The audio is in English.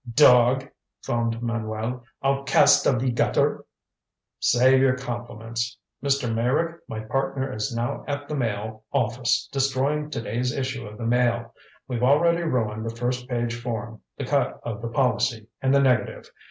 "Dog!" foamed Manuel. "Outcast of the gutter " "Save your compliments! Mr. Meyrick, my partner is now at the Mail office destroying to day's issue of the Mail. We've already ruined the first page form, the cut of the policy, and the negative.